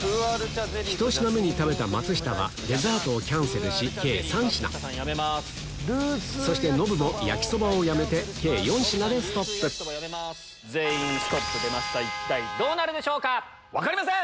１品目に食べた松下はデザートをキャンセルし計３品そしてノブも焼きそばをやめて計４品でストップ一体どうなるでしょうか⁉分かりません‼